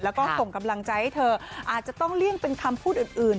แล้วก็ส่งกำลังใจให้เธออาจจะต้องเลี่ยงเป็นคำพูดอื่น